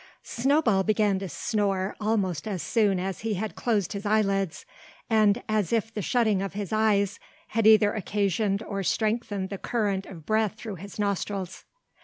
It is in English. Snowball began to snore almost as soon as he had closed his eyelids, and as if the shutting of his eyes had either occasioned or strengthened the current of breath through his nostrils.